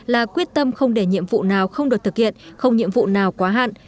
là quyết tâm không để nhiệm vụ nào không được thực hiện không nhiệm vụ nào quá hạn